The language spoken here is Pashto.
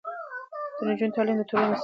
د نجونو تعليم د ټولنې حساب ورکول اسانه کوي.